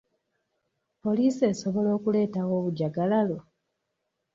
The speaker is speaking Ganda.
Poliisi esobola okuleetawo obujjagalalo?